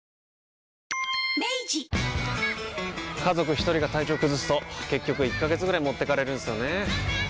一人が体調崩すと結局１ヶ月ぐらい持ってかれるんすよねー。